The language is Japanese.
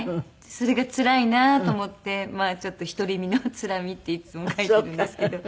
それがつらいなと思ってまあちょっと「独り身のつらみ」っていつも書いているんですけど。